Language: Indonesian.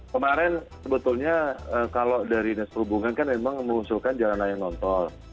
kemarin sebetulnya kalau dari hubungan kan memang mengunculkan jalan layang non toll